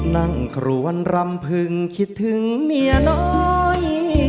นครวนรำพึงคิดถึงเมียน้อย